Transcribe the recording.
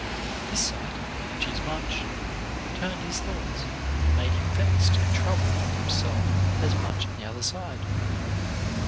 This sight (which is much) turned his thoughts, and made him vexed and troubled at himself as much on the other side.